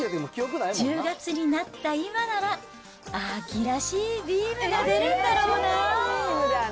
１０月になった今なら、秋らしいビームが出るんだろうな。